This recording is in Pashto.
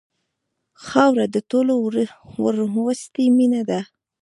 خاوره د ټولو وروستۍ مینه ده.